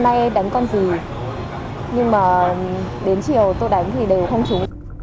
hôm nay đánh con gì nhưng mà đến chiều tôi đánh thì đều không trúng